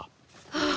ああ。